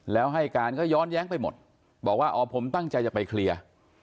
แล้วให้การก็ย้อนแย้งไปหมดบอกว่าอ๋อผมตั้งใจจะไปเคลียร์